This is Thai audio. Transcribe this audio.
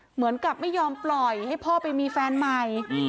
เหมือนกับไม่ยอมปล่อยให้พ่อไปมีแฟนใหม่